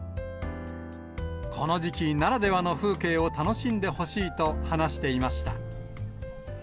この時期ならではの風景を楽しんでほしいと話していました。